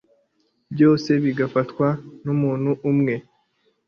byose bigafatwa n'umuntu umwe